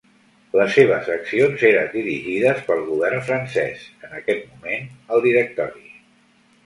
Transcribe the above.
Les seves accions eren dirigides pel Govern francès, en aquest moment el Directori.